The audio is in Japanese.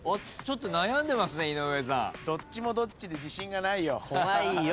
悩んでますね井上さん。どっちもどっちで自信がないよ。